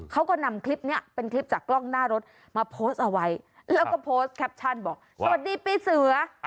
เขาก็นำคลิปนี้เป็นคลิปจากกล้องหน้ารถมาโพสต์เอาไว้แล้วก็โพสต์แคปชั่นบอกสวัสดีปีเสือ